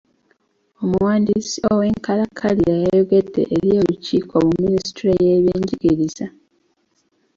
Omuwandiisi ow'enkalakkalira yayogedde eri olukiiko mu minisitule y'ebyenjigiriza.